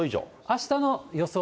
あしたの予想